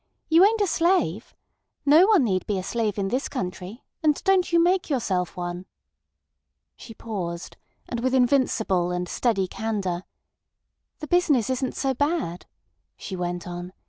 You ain't a slave. No one need be a slave in this country—and don't you make yourself one." She paused, and with invincible and steady candour. "The business isn't so bad," she went on.